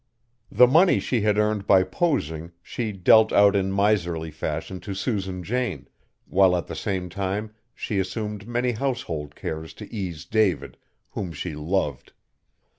The money she had earned by posing she dealt out in miserly fashion to Susan Jane; while at the same time she assumed many household cares to ease David, whom she loved.